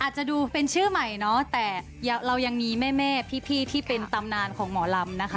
อาจจะดูเป็นชื่อใหม่เนาะแต่เรายังมีแม่พี่ที่เป็นตำนานของหมอลำนะคะ